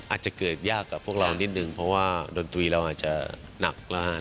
อาจจะเกิดยากกับพวกเรานิดนึงเพราะว่าดนตรีเราอาจจะหนักกว่า